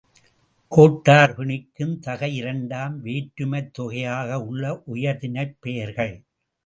கேட்டார்ப் பிணிக்கும் தகை இரண்டாம் வேற்றுமைத் தொகையாக உள்ள உயர்திணைப் பெயர்கள்.